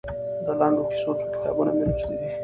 د لنډو کیسو څو کتابونه مو لوستي دي؟